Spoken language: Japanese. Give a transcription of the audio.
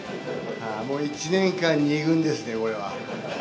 もう１年間２軍ですね、これは。